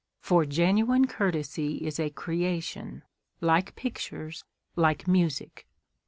For genuine courtesy is a creation, like pictures, like music.